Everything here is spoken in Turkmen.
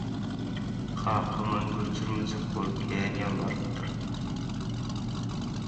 Kakam ony göçürmejek bolup kän ýalbarypdyr